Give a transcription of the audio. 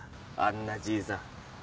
あんなじいさん